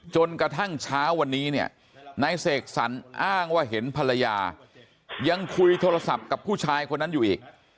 จนกระทั่งเช้าวันนี้เนี่ยนายเสกสรรอ้างว่าเห็นภรรยายังคุยโทรศัพท์กับผู้ชายคนนั้นอยู่อีก